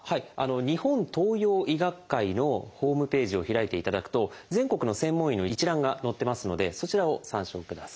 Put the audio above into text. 日本東洋医学会のホームページを開いていただくと全国の専門医の一覧が載ってますのでそちらを参照ください。